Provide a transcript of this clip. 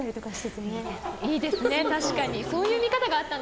いいですね、確かに。